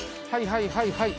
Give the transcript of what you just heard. はいはいはい。